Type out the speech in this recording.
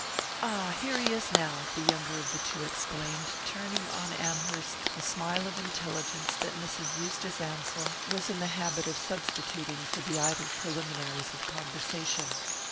"Ah, here he is now!" the younger of the two exclaimed, turning on Amherst the smile of intelligence that Mrs. Eustace Ansell was in the habit of substituting for the idle preliminaries of conversation.